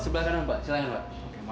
nakal gak jadi banget ya generate ya